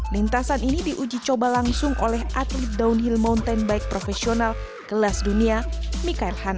lintasan ini diuji coba langsung oleh atlet downhill mountain bike profesional kelas dunia mikael han